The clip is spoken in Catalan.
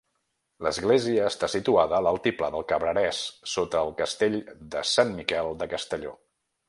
L'església està situada a l'altiplà del Cabrerès, sota el castell de Sant Miquel de Castelló.